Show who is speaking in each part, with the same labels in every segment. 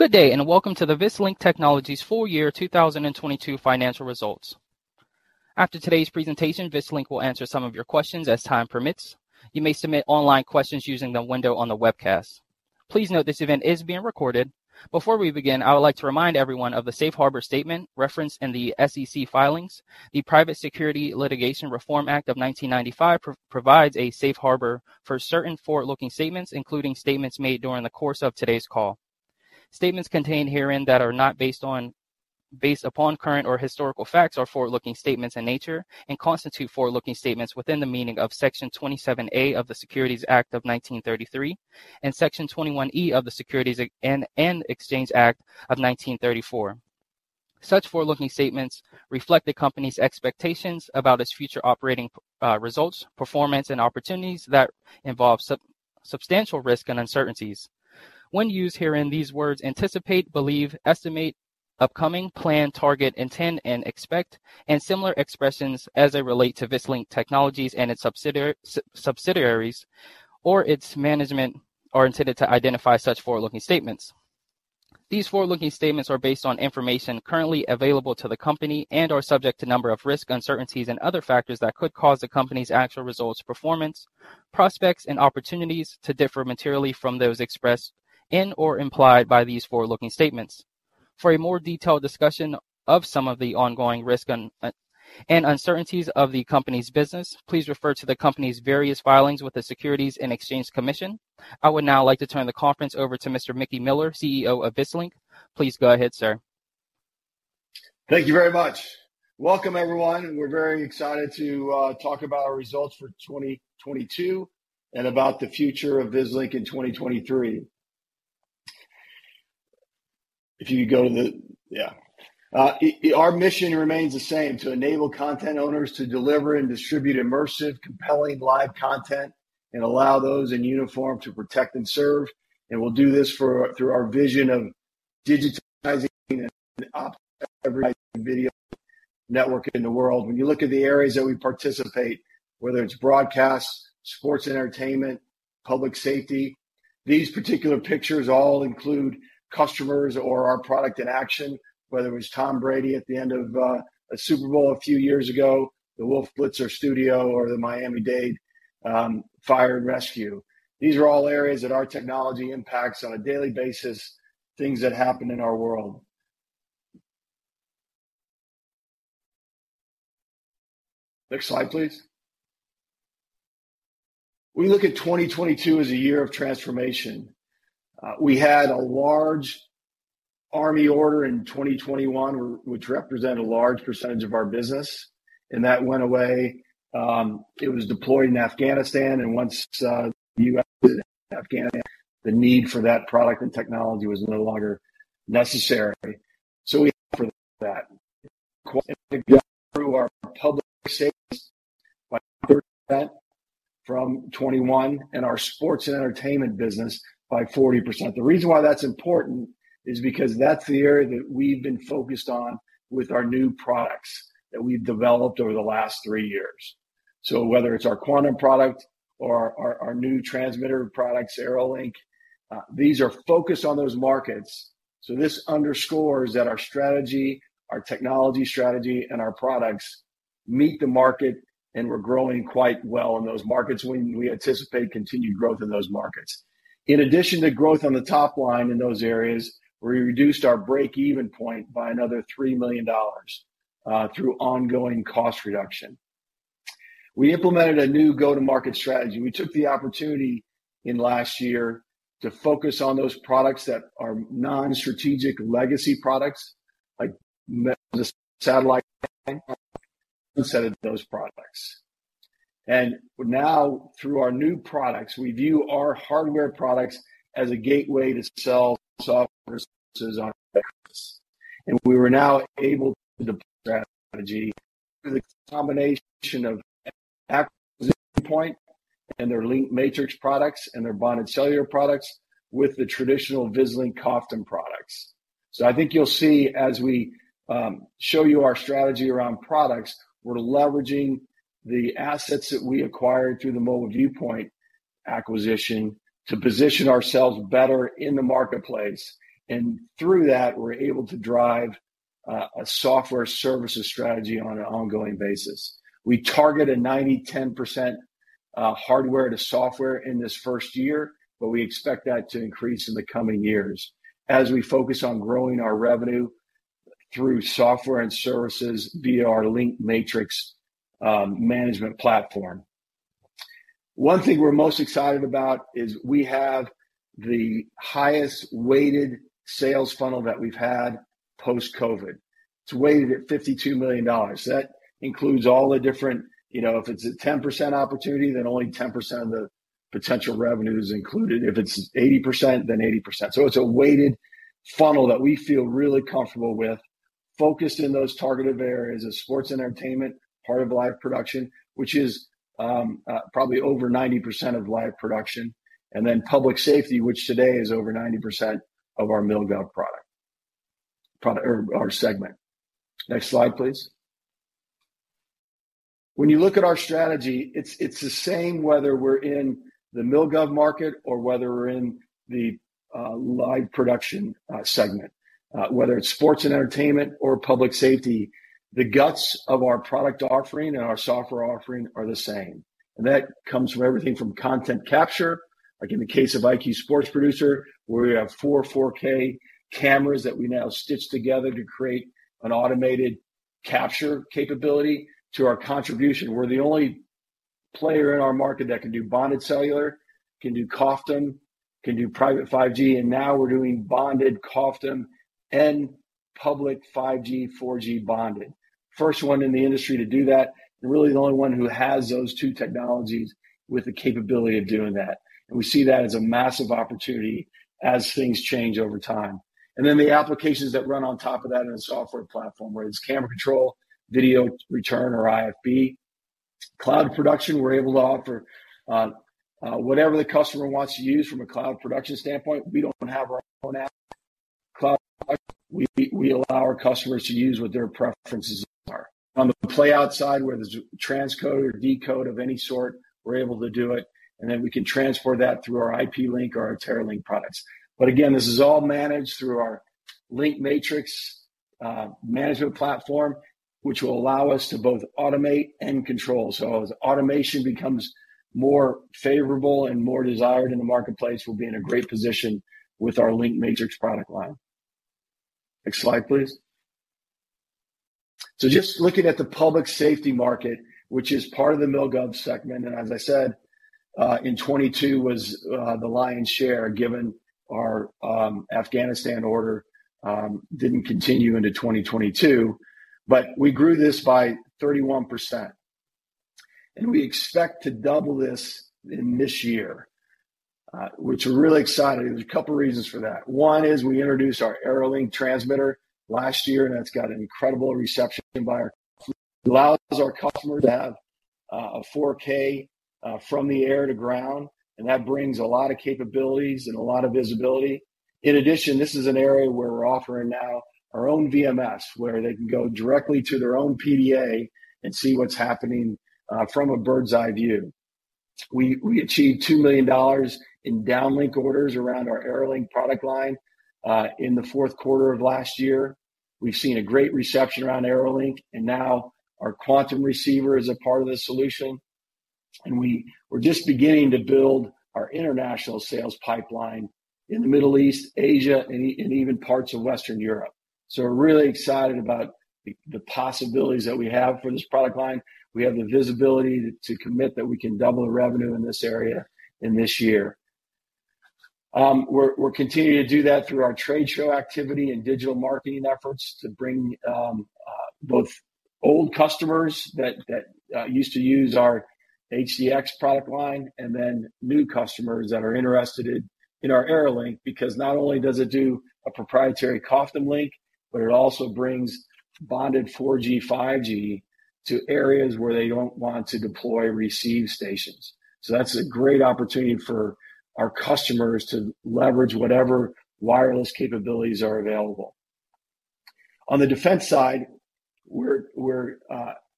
Speaker 1: Good day. Welcome to the Vislink Technologies full year 2022 financial results. After today's presentation, Vislink will answer some of your questions as time permits. You may submit online questions using the window on the webcast. Please note this event is being recorded. Before we begin, I would like to remind everyone of the safe harbor statement referenced in the SEC filings. The Private Securities Litigation Reform Act of 1995 provides a safe harbor for certain forward-looking statements, including statements made during the course of today's call. Statements contained herein that are not based upon current or historical facts are forward-looking statements in nature and constitute forward-looking statements within the meaning of Section 27A of the Securities Act of 1933 and Section 21E of the Securities and Exchange Act of 1934. Such forward-looking statements reflect the company's expectations about its future operating results, performance, and opportunities that involve substantial risk and uncertainties. When used herein, these words anticipate, believe, estimate, upcoming, plan, target, intend, and expect, and similar expressions as they relate to Vislink Technologies and its subsidiaries or its management are intended to identify such forward-looking statements. These forward-looking statements are based on information currently available to the company and are subject to a number of risks, uncertainties, and other factors that could cause the company's actual results, performance, prospects, and opportunities to differ materially from those expressed in or implied by these forward-looking statements. For a more detailed discussion of some of the ongoing risk and uncertainties of the company's business, please refer to the company's various filings with the Securities and Exchange Commission. I would now like to turn the conference over to Mr. Mickey Miller, CEO of Vislink. Please go ahead, sir.
Speaker 2: Thank you very much. Welcome, everyone. We're very excited to talk about our results for 2022 and about the future of Vislink in 2023. Our mission remains the same, to enable content owners to deliver and distribute immersive, compelling live content and allow those in uniform to protect and serve. We'll do this through our vision of digitizing and optimizing video network in the world. When you look at the areas that we participate, whether it's broadcast, Sports and Entertainment, Public Safety, these particular pictures all include customers or our product in action, whether it was Tom Brady at the end of a Super Bowl a few years ago, the Wolf Blitzer studio or the Miami-Dade Fire and Rescue. These are all areas that our technology impacts on a daily basis, things that happen in our world. Next slide, please. We look at 2022 as a year of transformation. We had a large Army order in 2021 which represented a large percent of our business, and that went away. It was deployed in Afghanistan, and once the U.S. left Afghanistan, the need for that product and technology was no longer necessary. Through our Public Safety from 2021 and our Sports and Entertainment business by 40%. The reason why that's important is because that's the area that we've been focused on with our new products that we've developed over the last three years, so whether it's our Quantum product or our new transmitter product, AeroLink, these are focused on those markets, so this underscores that our strategy, our technology strategy and our products meet the market and we're growing quite well in those markets, and we anticipate continued growth in those markets. In addition to growth on the top line in those areas, we reduced our breakeven point by another $3 million through ongoing cost reduction. We implemented a new go-to-market strategy. We took the opportunity in last year to focus on those products that are non-strategic and legacy products satellite those products. Now through our new products, we view our hardware products as a gateway to sell software and we are now able to through the combination of and their LinkMatrix products and their bonded cellular products with the traditional Vislink COFDM products, so I think you'll see as we show you our strategy around products, we're leveraging the assets that we acquired through the Mobile Viewpoint acquisition to position ourselves better in the marketplace, and through that we're able to drive a software services strategy on an ongoing basis. We target a 90% to 10% hardware to software in this first year, but we expect that to increase in the coming years as we focus on growing our revenue through software and services via our LinkMatrix management platform. One thing we're most excited about is we have the highest weighted sales funnel that we've had post COVID. It's weighted at $52 million. That includes all the different, you know, if it's a 10% opportunity, then only 10% of the potential of the revenue is included. If it's 80%, then 80%, so it's a weighted funnel that we feel really comfortable with, focused in those targeted areas of Sports and Entertainment, part of live production which is probably over 90% of live production, and then Public Safety, which today is over 90% of our mil-gov segment. Next slide please. When you look at our strategy, it's the same whether we're in the mil-gov market or whether we're in the live production segment. Whether it's Sports and Entertainment or Public Safety, the guts of our product offering and our software offering are the same. That comes from everything from content capture, like in the case of IQ Sports Producer, where we have four 4K cameras that we now stitch together to create an automated capture capability to our contribution. We're the only player in our market that can do bonded cellular, can do COFDM, can do private 5G, and now we're doing bonded COFDM and public 5G/4G bonded. First one in the industry to do that, really the only one who has those two technologies with the capability of doing that. We see that as a massive opportunity as things change over time. The applications that run on top of that in a software platform, whether it's camera control, video return or IFB. Cloud production, we're able to offer whatever the customer wants to use from a cloud production standpoint. We don't have our own app. Cloud product, we allow our customers to use what their preferences are. On the play out side, where there's transcode or decode of any sort, we're able to do it. We can transport that through our IP Link or our TerraLink products. Again, this is all managed through our LinkMatrix management platform, which will allow us to both automate and control. As automation becomes more favorable and more desired in the marketplace, we'll be in a great position with our LinkMatrix product line. Next slide, please. Just looking at the Public Safety market, which is part of the mil-gov segment, and as I said, in 2022 was the lion's share, given our Afghanistan order, didn't continue into 2022. We grew this by 31%, and we expect to double this in this year, which we're really excited. There's a couple reasons for that. One is we introduced our AeroLink transmitter last year, that's got an incredible reception by our customers. It allows our customer to have a 4K from the air to ground, that brings a lot of capabilities and a lot of visibility. In addition, this is an area where we're offering now our own VMS, where they can go directly to their own PDA and see what's happening from a bird's-eye view. We achieved $2 million in downlink orders around our AeroLink product line in the fourth quarter of last year. We've seen a great reception around AeroLink, now our Quantum receiver is a part of the solution. We're just beginning to build our international sales pipeline in the Middle East, Asia, and even parts of Western Europe. We're really excited about the possibilities that we have for this product line. We have the visibility to commit that we can double the revenue in this area in this year. We're continuing to do that through our trade show activity and digital marketing efforts to bring both old customers that used to use our HDX product line and then new customers that are interested in our AeroLink, because not only does it do a proprietary COFDM link, but it also brings bonded 4G/5G to areas where they don't want to deploy receive stations. That's a great opportunity for our customers to leverage whatever wireless capabilities are available. On the defense side, we're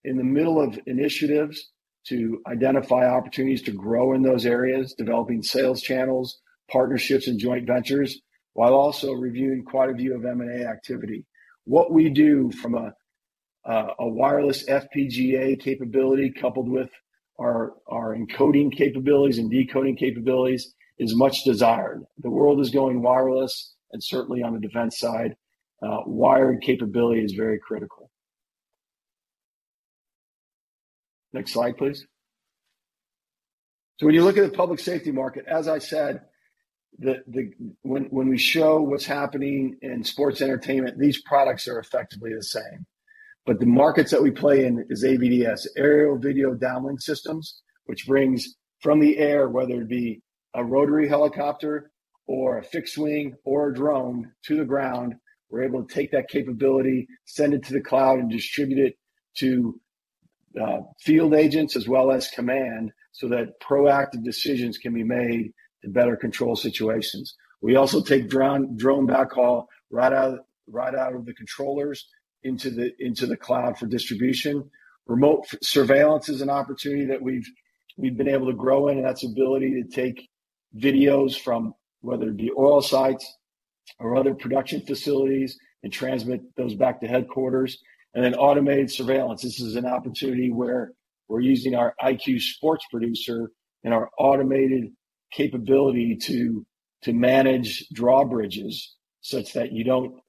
Speaker 2: in the middle of initiatives to identify opportunities to grow in those areas, developing sales channels, partnerships, and joint ventures, while also reviewing quite a view of M&A activity. What we do from a wireless FPGA capability coupled with our encoding capabilities and decoding capabilities is much desired. The world is going wireless and certainly on the defense side, wired capability is very critical. Next slide, please. When you look at the Public Safety market, as I said, when we show what's happening in Sports and Entertainment, these products are effectively the same. The markets that we play in is AVDS, Aerial Video Downlink Systems, which brings from the air, whether it be a rotary helicopter or a fixed wing or a drone to the ground, we're able to take that capability, send it to the cloud, and distribute it to field agents as well as command, so that proactive decisions can be made to better control situations. We also take drone backhaul right out of the controllers into the cloud for distribution. Remote surveillance is an opportunity that we've been able to grow in, and that's ability to take videos from whether it be oil sites or other production facilities and transmit those back to headquarters, and automated surveillance is an opportunity where we're using our IQ Sports Producer and our automated capability to manage drawbridges such that you don't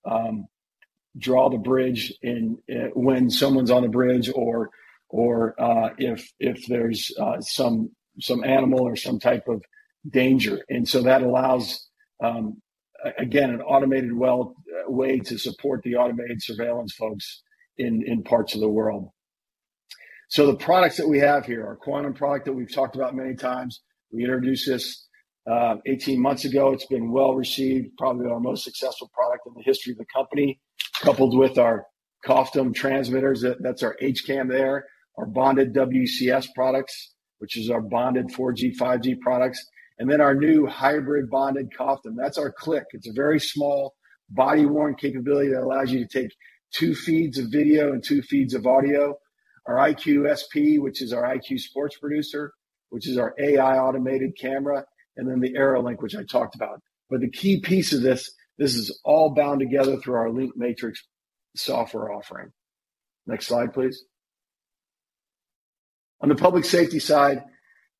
Speaker 2: draw the bridge in when someone's on the bridge or if there's some animal or some type of danger. That allows again an automated way to support the automated surveillance folks in parts of the world. The products that we have here, our Quantum product that we've talked about many times. We introduced this 18 months ago. It's been well-received, probably our most successful product in the history of the company. Coupled with our COFDM transmitters, that's our HCAM there. Our bonded WCS products, which is our bonded 4G/5G products. Our new hybrid bonded COFDM. That's our CLIQ. It's a very small body-worn capability that allows you to take two feeds of video and two feeds of audio. Our IQ-SP, which is our IQ Sports Producer, which is our AI automated camera, and then the AeroLink, which I talked about. The key piece of this is all bound together through our LinkMatrix software offering. Next slide, please. On the Public Safety side,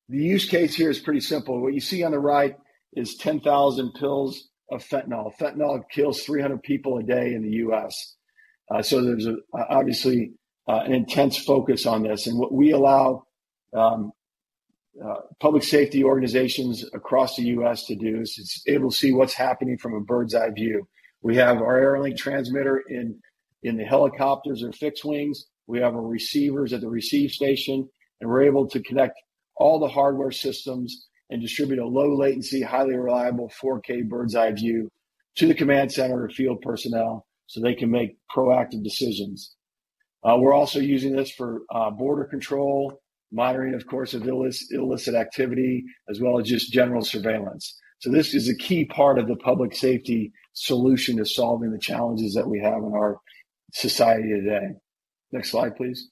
Speaker 2: the use case here is pretty simple. What you see on the right is 10,000 pills of fentanyl. Fentanyl kills 300 people a day in the U.S. There's obviously an intense focus on this. What we allow Public Safety organizations across the U.S. to do is it's able to see what's happening from a bird's eye view. We have our AeroLink transmitter in the helicopters or fixed wings. We have our receivers at the receive station, and we're able to connect all the hardware systems and distribute a low latency, highly reliable 4K bird's eye view to the command center or field personnel so they can make proactive decisions. We're also using this for border control, monitoring, of course, of illicit activity, as well as just general surveillance. This is a key part of the Public Safety solution to solving the challenges that we have in our society today. Next slide, please.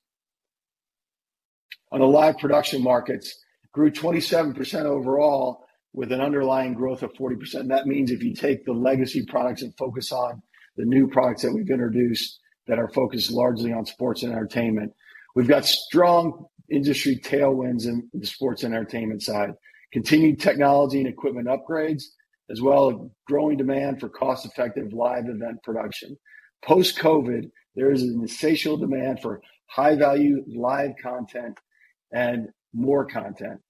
Speaker 2: On the live production markets grew 27% overall with an underlying growth of 40%. That means if you take the legacy products and focus on the new products that we've introduced that are focused largely on Sports and Entertainment. We've got strong industry tailwinds in the Sports and Entertainment side, continuing technology and equipment upgrades, as well as growing demand for cost-effective live event production. Post-COVID, there is an insatiable demand for high-value live content and more content.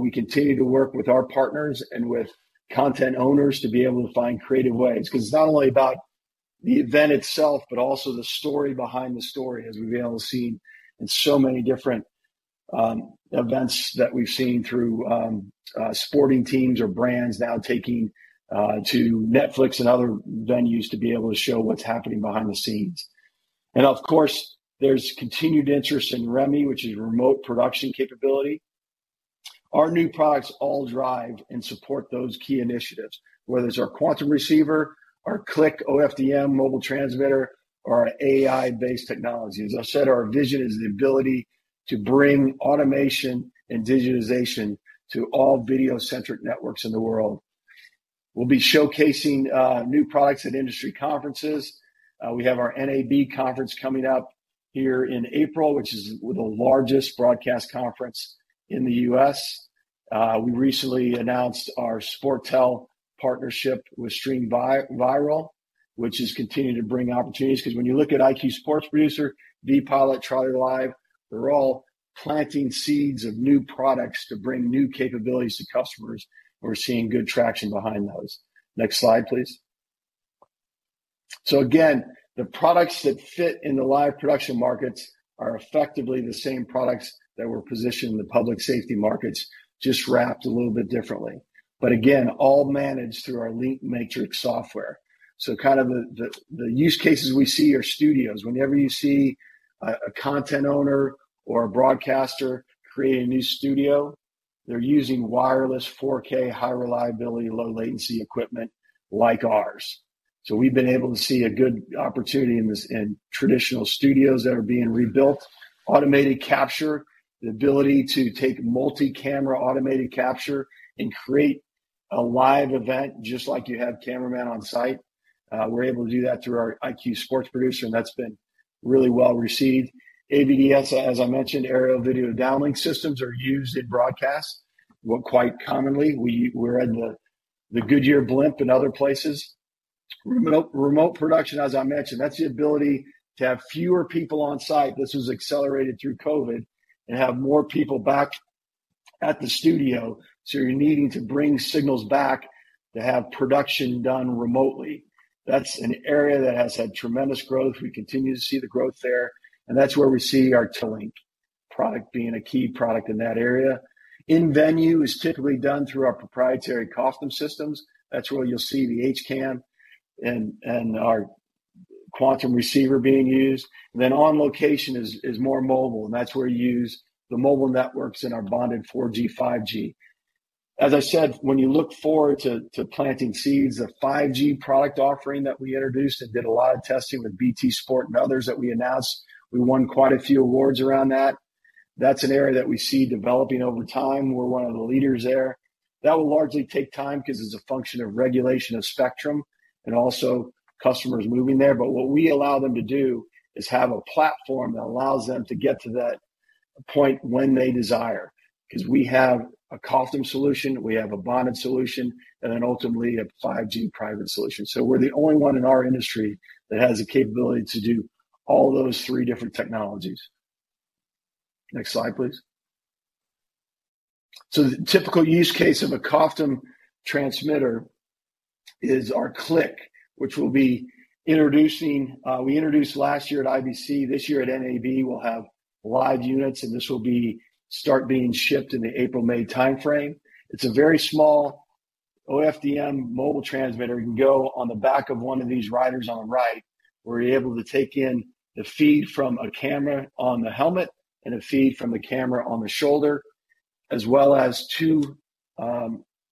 Speaker 2: We continue to work with our partners and with content owners to be able to find creative ways, 'cause it's not only about the event itself, but also the story behind the story, as we've been able to see in so many different events that we've seen through sporting teams or brands now taking to Netflix and other venues to be able to show what's happening behind the scenes. There's continued interest in REMI, which is remote production capability. Our new products all drive and support those key initiatives, whether it's our Quantum receiver, our CLIQ OFDM mobile transmitter, or our AI-based technology. As I said, our vision is the ability to bring automation and digitization to all video-centric networks in the world. We'll be showcasing new products at industry conferences. We have our NAB conference coming up here in April, which is one of the largest broadcast conference in the U.S. We recently announced our Sportel partnership with StreamViral, which has continued to bring opportunities. 'Cause when you look at IQ Sports Producer, vPilot, TrolleyLive, they're all planting seeds of new products to bring new capabilities to customers. We're seeing good traction behind those. Next slide, please. Again, the products that fit in the live production markets are effectively the same products that were positioned in the Public Safety markets, just wrapped a little bit differently. Again, all managed through our LinkMatrix software. The use cases we see are studios. Whenever you see a content owner or a broadcaster create a new studio, they're using wireless 4K high reliability, low latency equipment like ours. We've been able to see a good opportunity in traditional studios that are being rebuilt. Automated capture, the ability to take multi-camera automated capture and create a live event just like you have cameraman on site. We're able to do that through our IQ Sports Producer, and that's been really well-received. AVDS, as I mentioned, Aerial Video Downlink Systems are used in broadcast. Quite commonly, we're in the Goodyear Blimp and other places. Remote production, as I mentioned, that's the ability to have fewer people on site. This was accelerated through COVID, have more people back at the studio. You're needing to bring signals back to have production done remotely. That's an area that has had tremendous growth. We continue to see the growth there, that's where we see actually our product being a key product in that area. In-venue is typically done through our proprietary COFDM systems. That's where you'll see the HCAM and our Quantum receiver being used. On location is more mobile, that's where you use the mobile networks in our bonded 4G/5G. As I said, when you look forward to planting seeds, the 5G product offering that we introduced and did a lot of testing with BT Sport and others that we announced, we won quite a few awards around that. That's an area that we see developing over time. We're one of the leaders there. That will largely take time 'cause it's a function of regulation of spectrum and also customers moving there. What we allow them to do is have a platform that allows them to get to that point when they desire because we have a COFDM solution, we have a bonded solution, and then ultimately a 5G private solution. We're the only one in our industry that has the capability to do all those three different technologies. Next slide, please. The typical use case of a COFDM transmitter is our CLIQ, which we'll be introducing. We introduced last year at IBC. This year at NAB, we'll have live units, and this will be start being shipped in the April-May timeframe. It's a very small OFDM mobile transmitter. It can go on the back of one of these riders on the right. We're able to take in the feed from a camera on the helmet and a feed from the camera on the shoulder, as well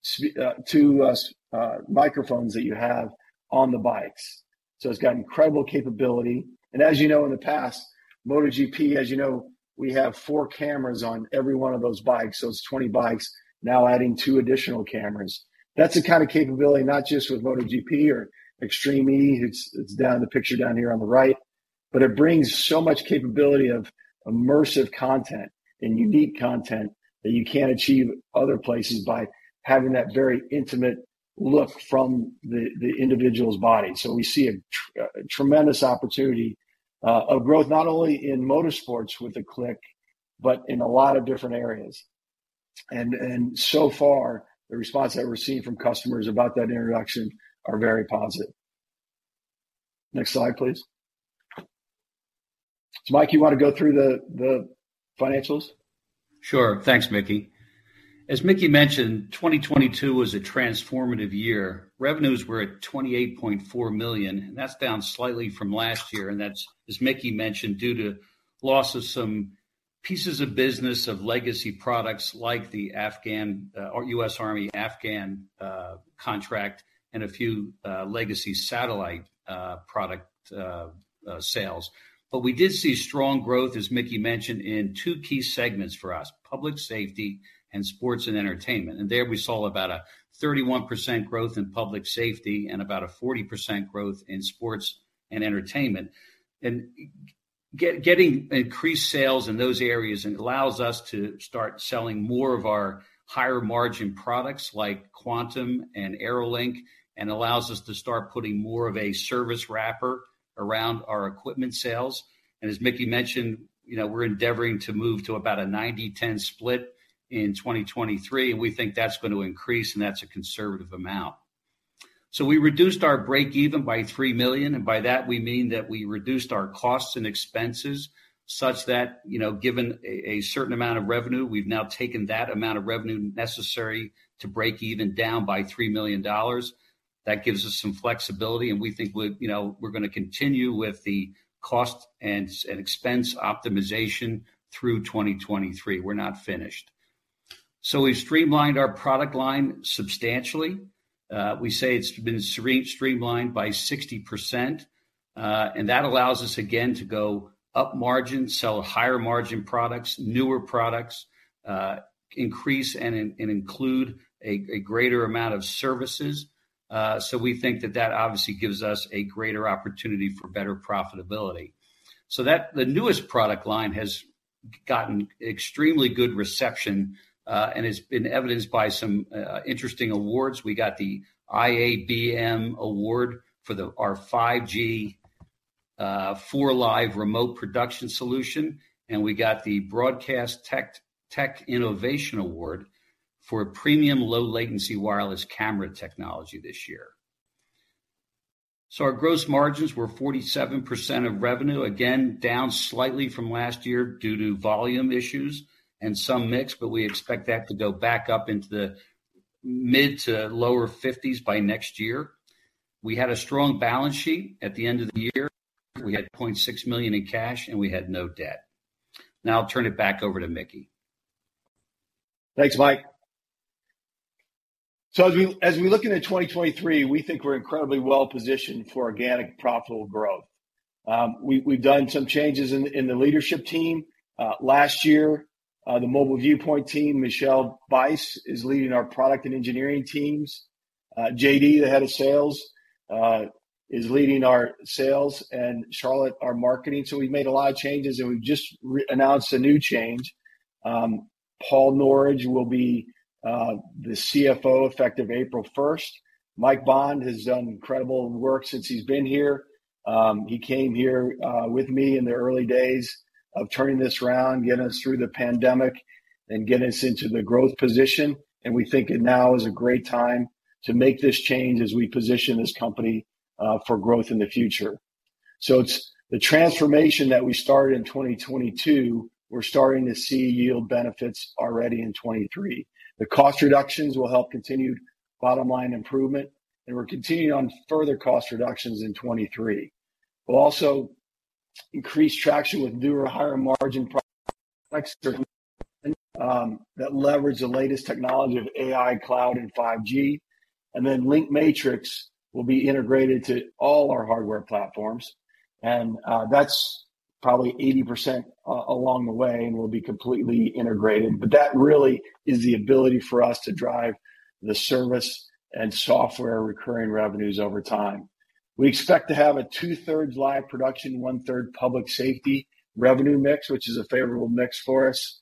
Speaker 2: as two microphones that you have on the bikes. It's got incredible capability. As you know, in the past, MotoGP, as you know, we have four cameras on every one of those bikes, those 20 bikes, now adding two additional cameras. That's the kind of capability, not just with MotoGP or Extreme E, it's down, the picture down here on the right, but it brings so much capability of immersive content and unique content that you can't achieve other places by having that very intimate look from the individual's body. We see a tremendous opportunity of growth, not only in motorsports with the CLIQ, but in a lot of different areas. So far, the response I've received from customers about that introduction are very positive. Next slide, please. Mike, you wanna go through the financials?
Speaker 3: Sure. Thanks, Mickey. As Mickey mentioned, 2022 was a transformative year. Revenues were at $28.4 million, that's down slightly from last year, and that's, as Mickey mentioned, due to loss of some pieces of business of legacy products like the U.S. Army-Afghan contract and a few legacy satellite product sales. We did see strong growth, as Mickey mentioned, in two key segments for us, Public Safety and Sports and Entertainment. There we saw about a 31% growth in Public Safety and about a 40% growth in Sports and Entertainment. Getting increased sales in those areas allows us to start selling more of our higher margin products like Quantum and AeroLink, and allows us to start putting more of a service wrapper around our equipment sales. As Mickey mentioned, you know, we're endeavoring to move to about a 90/10 split in 2023, and we think that's gonna increase. That's a conservative amount. We reduced our breakeven by $3 million, and by that we mean that we reduced our costs and expenses such that, you know, given a certain amount of revenue, we've now taken that amount of revenue necessary to breakeven down by $3 million. That gives us some flexibility, and we think, you know, we're gonna continue with the cost and expense optimization through 2023. We're not finished. We've streamlined our product line substantially. We say it's been streamlined by 60%, and that allows us again to go up-margin, sell higher margin products, newer products, increase and include a greater amount of services. We think that that obviously gives us a greater opportunity for better profitability. The newest product line has gotten extremely good reception and has been evidenced by some interesting awards. We got the IABM award for our 5G 4Live remote production solution. We got the Broadcast Tech Tech Innovation Award for premium low latency wireless camera technology this year. Our gross margins were 47% of revenue, again, down slightly from last year due to volume issues and some mix, but we expect that to go back up into the mid to lower 50s by next year. We had a strong balance sheet at the end of the year. We had $0.6 million in cash. We had no debt. I'll turn it back over to Mickey.
Speaker 2: Thanks, Mike. As we look into 2023, we think we're incredibly well-positioned for organic profitable growth. We've done some changes in the leadership team. Last year, the Mobile Viewpoint team, Michel Bais is leading our product and engineering teams. JD, the Head of Sales, is leading our sales, and Charlotte, our marketing. We've made a lot of changes, and we've just re-announced a new change. Paul Norridge will be the CFO effective April 1st. Mike Bond has done incredible work since he's been here. He came here with me in the early days of turning this around, getting us through the pandemic, and getting us into the growth position. We think that now is a great time to make this change as we position this company for growth in the future. It's the transformation that we started in 2022, we're starting to see yield benefits already in 2023. The cost reductions will help continued bottom line improvement, and we're continuing on further cost reductions in 2023. We'll also increase traction with newer higher margin products like certain that leverage the latest technology of AI, cloud, and 5G. LinkMatrix will be integrated to all our hardware platforms. That's probably 80% along the way and will be completely integrated. That really is the ability for us to drive the service and software recurring revenues over time. We expect to have a 2/3 live production, 1/3 Public Safety revenue mix, which is a favorable mix for us.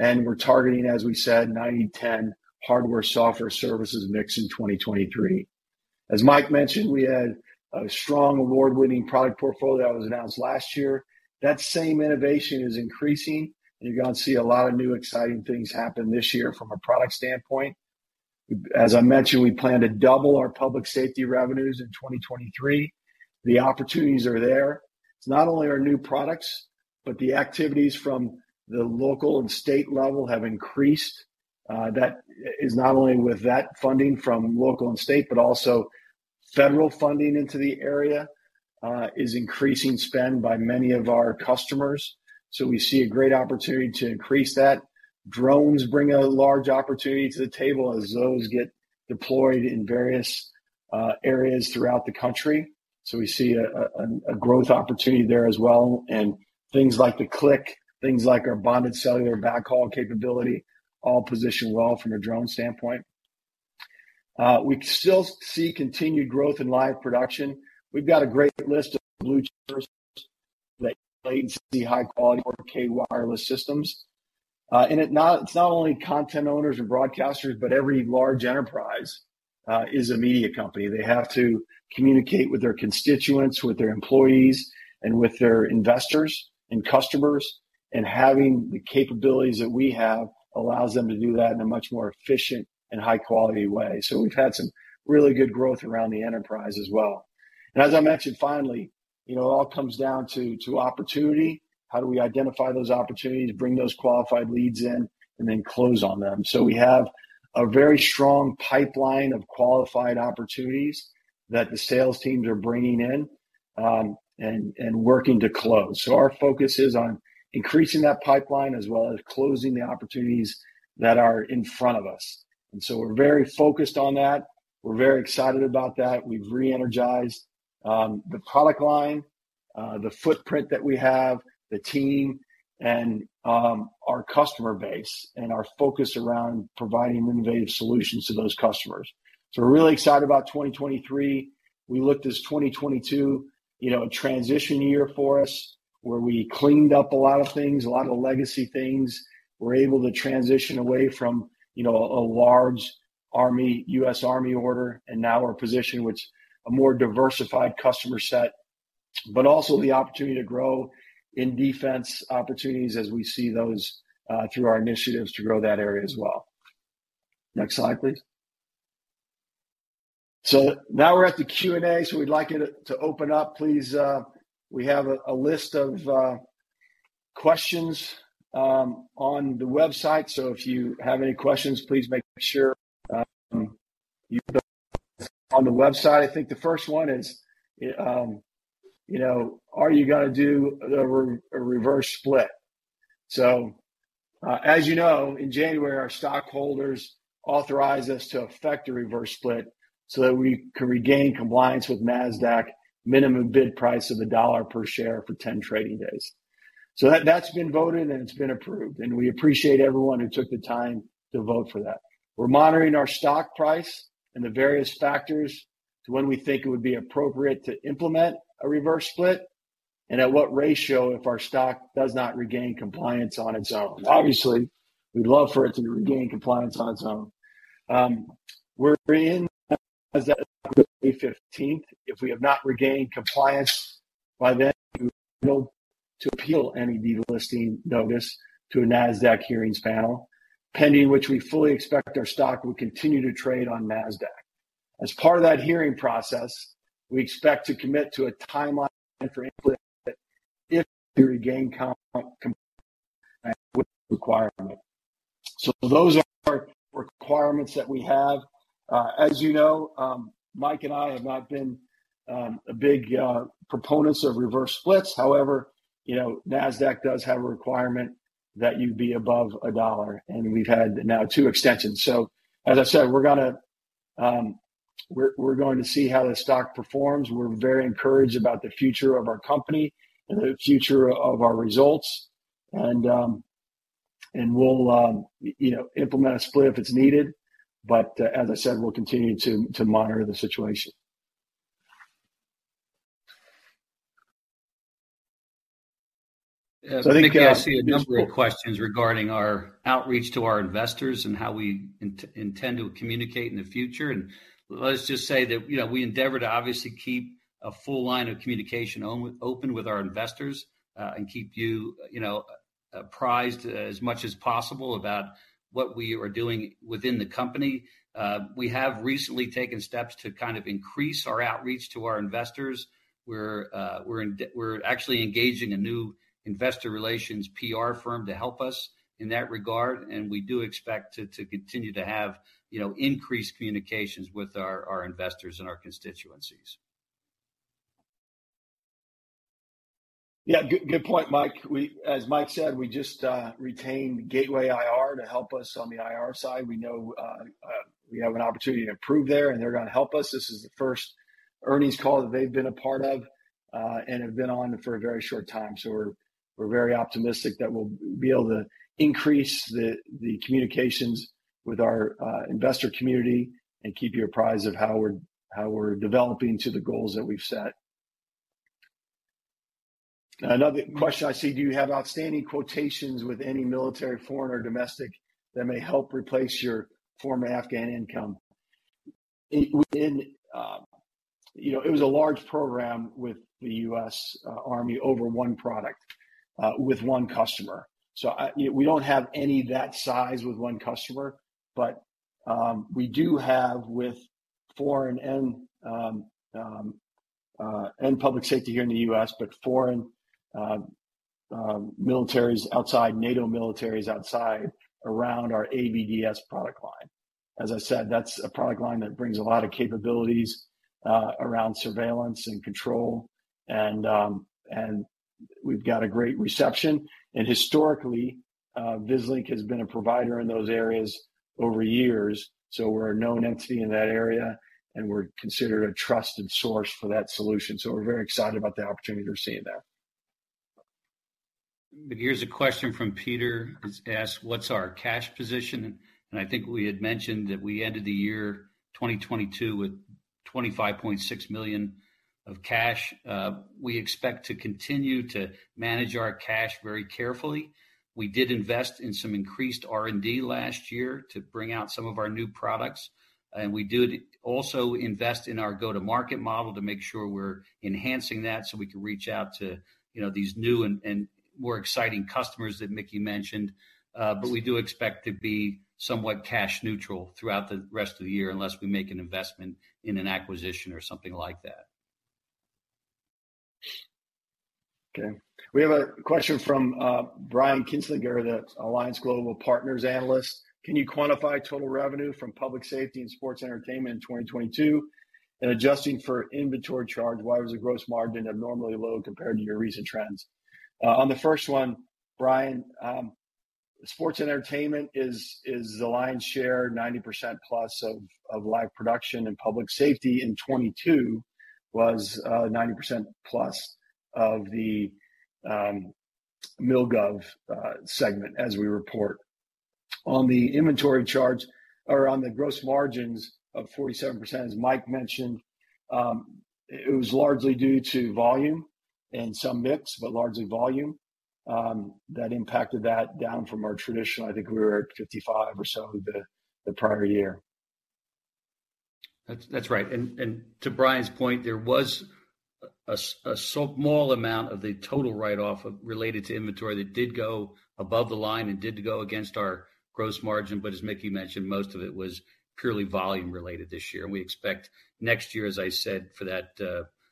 Speaker 2: We're targeting, as we said, 90/10 hardware, software, services mix in 2023. As Mike mentioned, we had a strong award-winning product portfolio that was announced last year. That same innovation is increasing, you're gonna see a lot of new exciting things happen this year from a product standpoint. As I mentioned, we plan to double our Public Safety revenues in 2023. The opportunities are there. It's not only our new products, the activities from the local and state level have increased. That is not only with that funding from local and state, also federal funding into the area. Is increasing spend by many of our customers. We see a great opportunity to increase that. Drones bring a large opportunity to the table as those get deployed in various areas throughout the country. We see a growth opportunity there as well. Things like the CLIQ, things like our bonded cellular backhaul capability all position well from a drone standpoint. We still see continued growth in live production. We've got a great list of blue chips that latency high-quality 4K wireless systems. It's not only content owners and broadcasters, but every large enterprise is a media company. They have to communicate with their constituents, with their employees, and with their investors and customers. Having the capabilities that we have allows them to do that in a much more efficient and high-quality way. We've had some really good growth around the enterprise as well. As I mentioned, finally, you know, it all comes down to opportunity, how do we identify those opportunities, bring those qualified leads in, and then close on them. We have a very strong pipeline of qualified opportunities that the sales teams are bringing in, and working to close. Our focus is on increasing that pipeline as well as closing the opportunities that are in front of us. We're very focused on that. We're very excited about that. We've re-energized the product line, the footprint that we have, the team, and our customer base, and our focus around providing innovative solutions to those customers. We're really excited about 2023. We looked as 2022, you know, a transition year for us, where we cleaned up a lot of things, a lot of the legacy things. We're able to transition away from, you know, a large U.S. Army order. Now we're positioned with a more diversified customer set, also the opportunity to grow in defense opportunities as we see those through our initiatives to grow that area as well. Next slide, please. Now we're at the Q&A. We'd like it to open up, please. We have a list of questions on the website. If you have any questions, please make sure you put them on the website. I think the first one is, you know, are you gonna do a reverse split? As you know, in January, our stockholders authorized us to effect a reverse split so that we can regain compliance with Nasdaq minimum bid price of $1 per share for 10 trading days. That's been voted, and it's been approved, and we appreciate everyone who took the time to vote for that. We're monitoring our stock price and the various factors to when we think it would be appropriate to implement a reverse split and at what ratio if our stock does not regain compliance on its own. Obviously, we'd love for it to regain compliance on its own. We're in as of April 15th. If we have not regained compliance by then, we will to appeal any delisting notice to a Nasdaq hearings panel, pending which we fully expect our stock will continue to trade on Nasdaq. As part of that hearing process, we expect to commit to a timeline for input if we regain compliance with the requirement. Those are requirements that we have. As you know, Mike and I have not been a big proponents of reverse splits. You know, Nasdaq does have a requirement that you be above a dollar, and we've had now two extensions. As I said, we're going to see how the stock performs. We're very encouraged about the future of our company and the future of our results. We'll, you know, implement a split if it's needed. As I said, we'll continue to monitor the situation.
Speaker 3: Mickey, I see a number of questions regarding our outreach to our investors and how we intend to communicate in the future. Let's just say that, you know, we endeavor to obviously keep a full line of communication open with our investors, and keep you know, apprised as much as possible about what we are doing within the company. We have recently taken steps to kind of increase our outreach to our investors. We're actually engaging a new investor relations PR firm to help us in that regard, and we do expect to continue to have, you know, increased communications with our investors and our constituencies.
Speaker 2: Good point, Mike. As Mike said, we just retained Gateway IR to help us on the IR side. We know we have an opportunity to improve there, they're gonna help us. This is the first earnings call that they've been a part of and have been on for a very short time. We're very optimistic that we'll be able to increase the communications with our investor community and keep you apprised of how we're developing to the goals that we've set. Another question I see, do you have outstanding quotations with any military, foreign or domestic, that may help replace your former Afghan income? You know, it was a large program with the U.S. Army over one product with one customer. We don't have any that size with one customer, but we do have with foreign and Public Safety here in the U.S., but foreign militaries outside, NATO militaries outside around our AVDS product line. As I said, that's a product line that brings a lot of capabilities around surveillance and control, and we've got a great reception. Historically, Vislink has been a provider in those areas over years, so we're a known entity in that area, and we're considered a trusted source for that solution. We're very excited about the opportunity to receive that.
Speaker 3: Here's a question from Peter. He's asked, what's our cash position? I think we had mentioned that we ended the year 2022 with $25.6 million of cash. We expect to continue to manage our cash very carefully. We did invest in some increased R&D last year to bring out some of our new products. We did also invest in our go-to-market model to make sure we're enhancing that so we can reach out to, you know, these new and more exciting customers that Mickey mentioned. We do expect to be somewhat cash neutral throughout the rest of the year unless we make an investment in an acquisition or something like that.
Speaker 2: Okay. We have a question from Brian Kinstlinger, the Alliance Global Partners analyst. Can you quantify total revenue from Public Safety and Sports and Entertainment in 2022? Adjusting for inventory charge, why was the gross margin abnormally low compared to your recent trends? On the first one, Brian, Sports and Entertainment is the lion's share, 90%+ of live production and Public Safety in 2022 was 90%+ of the mil-gov segment as we report. On the inventory charge or on the gross margins of 47%, as Mike mentioned, it was largely due to volume and some mix, but largely volume that impacted that down from our traditional. I think we were at 55 or so the prior year.
Speaker 3: That's right. To Brian's point, there was a small amount of the total write-off related to inventory that did go above the line and did go against our gross margin. As Mickey mentioned, most of it was purely volume-related this year. We expect next year, as I said, for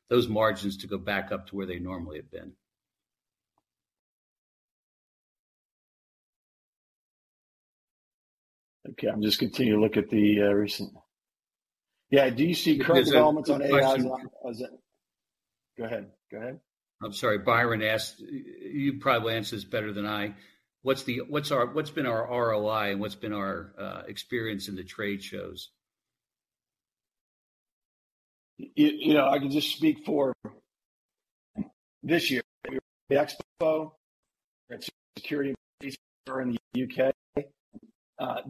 Speaker 3: those margins to go back up to where they normally have been.
Speaker 2: Okay. I'm just continuing to look at the recent. Yeah. Do you see current developments on AI?
Speaker 3: There's a question.
Speaker 2: Go ahead. Go ahead.
Speaker 3: I'm sorry. Byron asked, you probably answer this better than I. What's been our ROI, and what's been our experience in the trade shows?
Speaker 2: You know, I can just speak for this year. The expo and security and policing that are in the U.K.,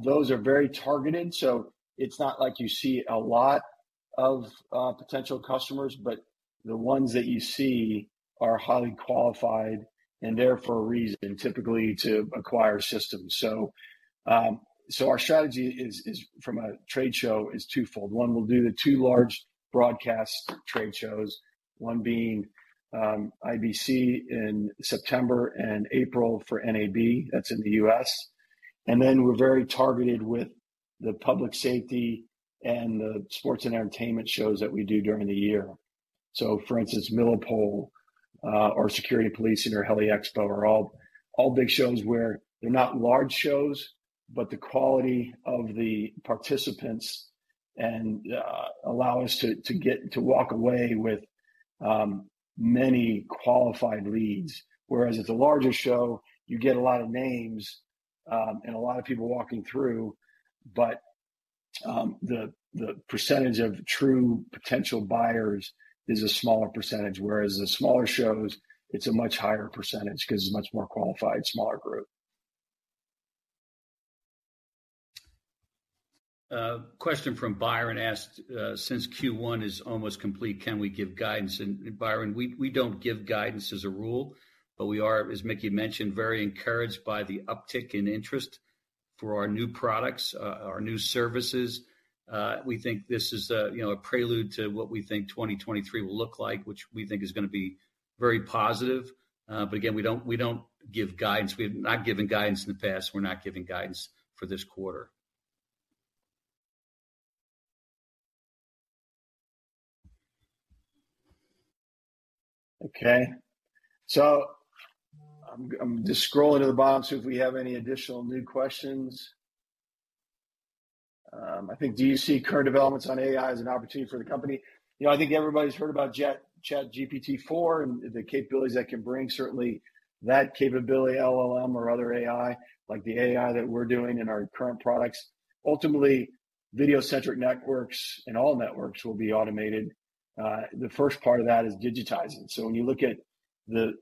Speaker 2: those are very targeted. It's not like you see a lot of potential customers, but the ones that you see are highly qualified and there for a reason, typically to acquire systems. Our strategy is from a trade show is twofold. One, we'll do the two large broadcast trade shows, one being IBC in September and April for NAB, that's in the U.S. Then we're very targeted with the Public Safety and the Sports and Entertainment shows that we do during the year. For instance, Milipol or security and policing and our Heli-Expo are all big shows where they're not large shows, but the quality of the participants and allow us to walk away with many qualified leads. At the larger show, you get a lot of names and a lot of people walking through. The percentage of true potential buyers is a smaller percentage, whereas the smaller shows, it's a much higher percentage 'cause it's a much more qualified, smaller group.
Speaker 3: A question from Byron asked, since Q1 is almost complete, can we give guidance? Byron, we don't give guidance as a rule, but we are, as Mickey mentioned, very encouraged by the uptick in interest for our new products, our new services. We think this is, you know, a prelude to what we think 2023 will look like, which we think is gonna be very positive. Again, we don't give guidance. We've not given guidance in the past, we're not giving guidance for this quarter.
Speaker 2: Okay. I'm just scrolling to the bottom, see if we have any additional new questions. I think do you see current developments on AI as an opportunity for the company? You know, I think everybody's heard about ChatGPT-4 and the capabilities that can bring, certainly that capability, LLM or other AI, like the AI that we're doing in our current products. Ultimately, video-centric networks and all networks will be automated. The first part of that is digitizing. When you look at the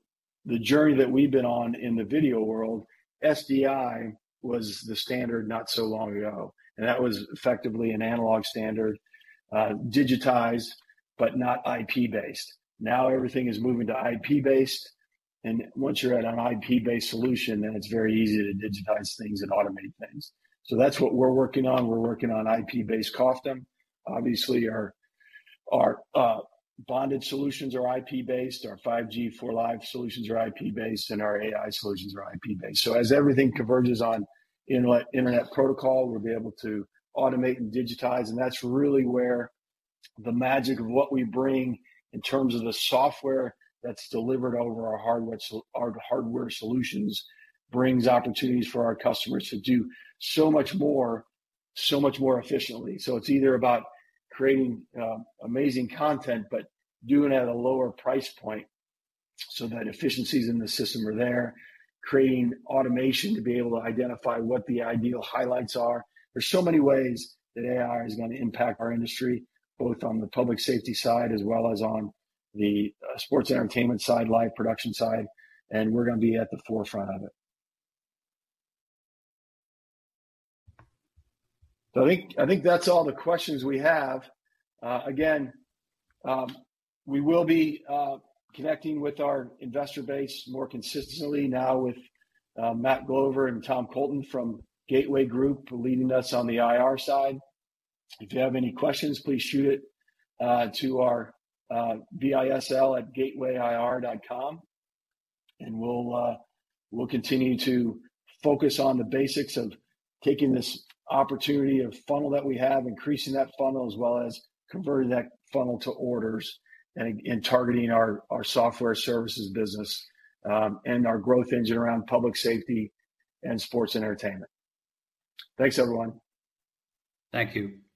Speaker 2: journey that we've been on in the video world, SDI was the standard not so long ago. That was effectively an analog standard, digitized, but not IP-based. Now everything is moving to IP-based, and once you're at an IP-based solution, then it's very easy to digitize things and automate things. That's what we're working on. We're working on IP-based COFDM. Obviously, our bonded solutions are IP-based, our 5G 4Live solutions are IP-based, and our AI solutions are IP-based. As everything converges on Internet protocol, we'll be able to automate and digitize. That's really where the magic of what we bring in terms of the software that's delivered over our hardware solutions brings opportunities for our customers to do so much more, so much more efficiently. It's either about creating amazing content but doing it at a lower price point so that efficiencies in the system are there, creating automation to be able to identify what the ideal highlights are. There's so many ways that AI is gonna impact our industry, both on the Public Safety side as well as on the Sports and Entertainment side, Live Production side. We're gonna be at the forefront of it. I think that's all the questions we have. Again, we will be connecting with our investor base more consistently now with Matt Glover and Tom Colton from Gateway Group leading us on the IR side. If you have any questions, please shoot it to our VISL@gatewayir.com. We'll continue to focus on the basics of taking this opportunity of funnel that we have, increasing that funnel, as well as converting that funnel to orders and targeting our software services business and our growth engine around Public Safety and Sports and Entertainment. Thanks, everyone.
Speaker 3: Thank you.